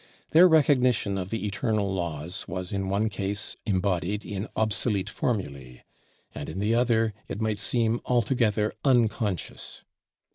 Their recognition of the eternal laws was in one case embodied in obsolete formulæ, and in the other, it might seem, altogether unconscious.